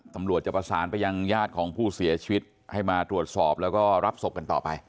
ตำรวจจะประสานไปยังญาติของผู้เสียชีวิตให้มาตรวจสอบแล้วก็รับศพกันต่อไป